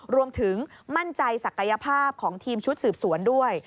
รวมถึงมั่นใจศักยภาพของทีมชุดสืบสวนด้วย